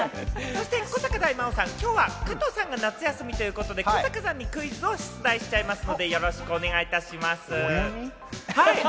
そして古坂大魔王さん、今日は加藤さんが夏休みということで、古坂さんにクイズを出題しちゃいますので、よろしくお願いします。